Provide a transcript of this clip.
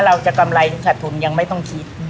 เราจะกำไรสัตว์ทุนยังไม่ต้องพลิก